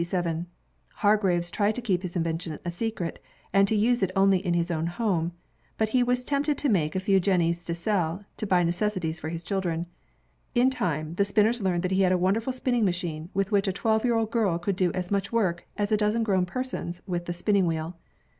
Hargreaves tried to keep his invention a secret, and to use it only in his own home. But he was tempted to make a few jennies to sell, to buy necessities for his children. In time, the spinners learned that he had a wonderful spinning machine with which a twelve year old girl could do as much work as a dozen grown persons with the spinning wheel.